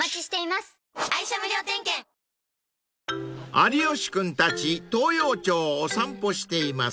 ［有吉君たち東陽町をお散歩しています］